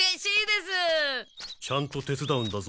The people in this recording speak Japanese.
ちゃんと手つだうんだぞ。